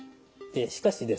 しかしですね